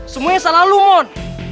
semuanya salah lu mon